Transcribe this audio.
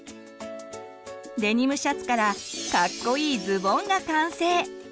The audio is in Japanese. デニムシャツからカッコいいズボンが完成。